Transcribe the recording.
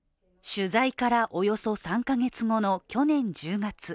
取材からおよそ３カ月後の去年１０月。